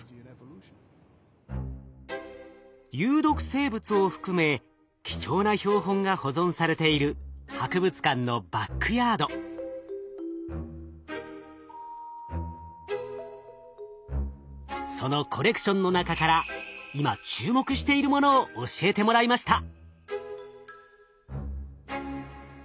生物を含め貴重な標本が保存されているそのコレクションの中から今注目しているものを教えてもらいました。